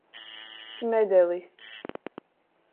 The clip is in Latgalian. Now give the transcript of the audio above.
Smedelis.